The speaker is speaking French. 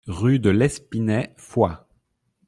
Rue de l'Espinet, Foix